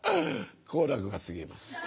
好楽が継ぎます。